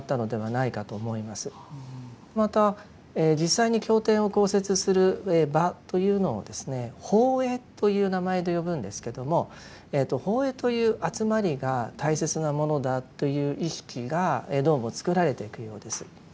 また実際に経典を講説する場というのをですね法会という名前で呼ぶんですけれども法会という集まりが大切なものだという意識がどうも作られていくようです。